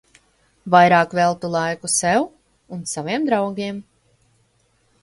Vairāk veltu laiku sev un saviem draugiem.